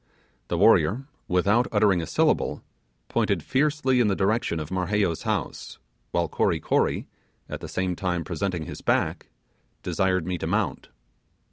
The warrior, without uttering a syllable, pointed fiercely in the direction of Marheyo's house, while Kory Kory, at the same time presenting his back, desired me to mount.